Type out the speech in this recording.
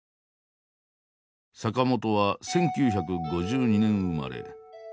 坂本は１９５２年生まれ。